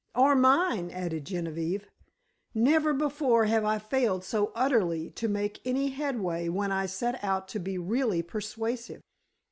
"Or mine," added Genevieve. "Never before have I failed so utterly to make any headway when I set out to be really persuasive."